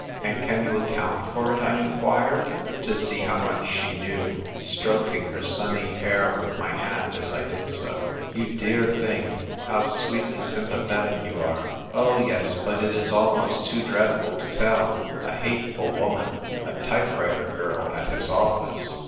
" And can you account for it ?" I inquired, Q 2 236 THE TYPE WRITER GIRL. to see how much she knew, stroking her sunny hair with my hand as I did so. "You dear thing! How sweetly sympa thetic you are ! Oh, yes, but it is ahuost too dreadful to tell. A hateful woman — a type writer girl at his office